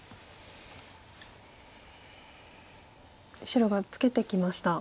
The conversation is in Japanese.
白がツケてきました。